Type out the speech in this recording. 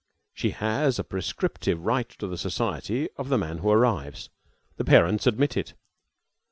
She has a prescriptive right to the society of the man who arrives. The parents admit it.